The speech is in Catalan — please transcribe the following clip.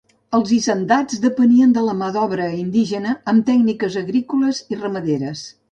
Els hisendats depenien de la mà d'obra indígena amb tècniques agrícoles i ramaderes.